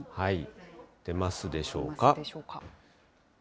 出ますでしょうか。